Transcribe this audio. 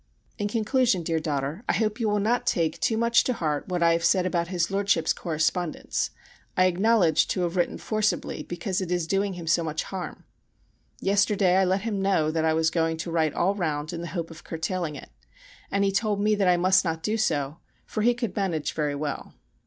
In conclusion, dear daughter, I hope you will not take too much to heart what I have said about his Lordship's correspondence, I acknowledge to have written forcibly because it is doing him so much harm. Yesterday I let him know that I was going to write all round in the hope of curtailing it, and he told me that I must not do so, for he could manage very well.